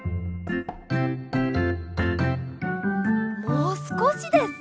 もうすこしです！